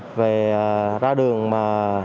về ra đường mà